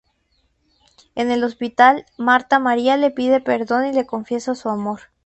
En el hospital, Marta María le pide perdón y le confiesa su amor.